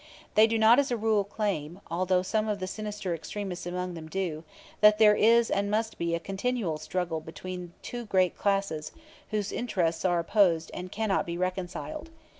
They do not as a rule claim although some of the sinister extremists among them do that there is and must be a continual struggle between two great classes, whose interests are opposed and cannot be reconciled.